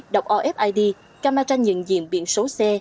đọc ofid camera nhận diện biện số xe